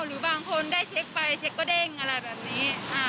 หรือบางคนได้เช็คไปเช็คก็เด้งอะไรแบบนี้